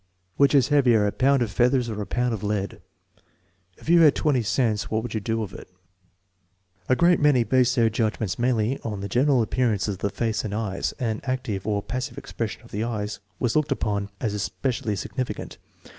"" Which is heavier, a pound of feathers or a pound of lead? " "If you had twenty cents what would you do with it? " A great many based their judgment mainly on the gen eral appearance of the face and eyes. An "active" or " passive " expression of the eyes was looked upon as es pecially significant.